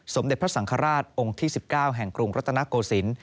สมเด็จพระสังฆราชองค์ที่๑๙แห่งกรุงรัตนโกศิลป์